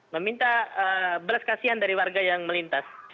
meminta belas kasihan dari warga yang melintas